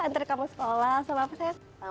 antre kamu sekolah sama apa sayang